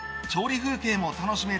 調理風景も楽しめる